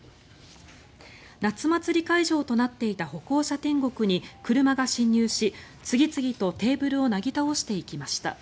夏祭り会場となっていた歩行者天国に車が進入し次々とテーブルをなぎ倒していきました。